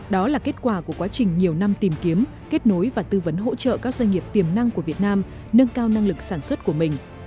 đó là kết quả của quá trình nhiều năm tìm kiếm kết nối và tư vấn hỗ trợ các doanh nghiệp tiềm năng của việt nam nâng cao năng lực sản xuất của mình